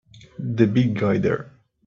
The big guy there!